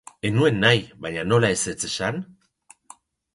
Ez nuen nahi, baina nola ezetz esan?